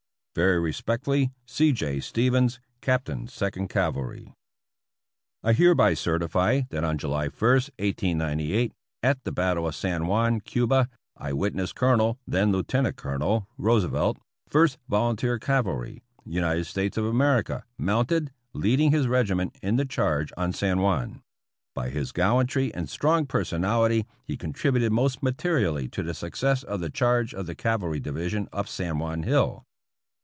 Very respectfully, C. J. Stevens, Captain Second Cavalry. 306 APPENDIX E I hereby certify that on July i, 1898, at the battle of San Juan, Cuba, I witnessed Colonel (then Lieutenant Colonel) Roosevelt, First Volunteer Cavalry, United States of America, mounted, leading his regiment in the charge on San Juan. By his gallantry and strong personality he con tributed most materially to the success of the charge of the Cavalry Division up San Juan Hill.